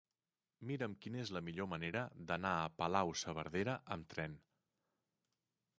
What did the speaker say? Mira'm quina és la millor manera d'anar a Palau-saverdera amb tren.